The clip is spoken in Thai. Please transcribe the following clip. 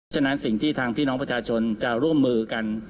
ฉะนั้นสิ่งที่ทางพี่น้องประชาชนจะร่วมมือกัน